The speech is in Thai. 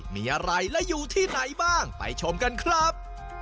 มีอะไรและอยู่ที่ไหนบ้างไปชมกันครับ